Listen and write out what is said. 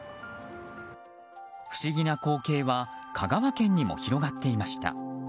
不思議な光景は香川県にも広がっていました。